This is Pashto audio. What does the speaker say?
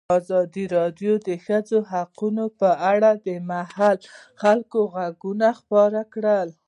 ازادي راډیو د د ښځو حقونه په اړه د محلي خلکو غږ خپور کړی.